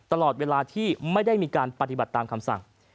ตลอดเวลาที่ไม่ได้มีการปฏิบัติตามคำสั่ง